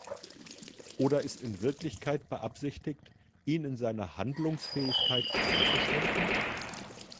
Oder ist in Wirklichkeit beabsichtigt, ihn in seiner Handlungsfähigkeit einzuschränken?